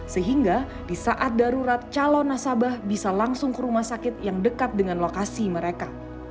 sehingga di saat darurat calon nasabah bisa langsung ke rumah sakit yang dekat dengan lokasi mereka